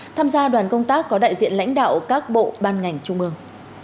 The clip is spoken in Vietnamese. tham gia đoàn công tác có đại diện lãnh đạo các bộ ban ngành trung ương